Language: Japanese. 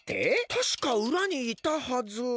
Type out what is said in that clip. たしかうらにいたはず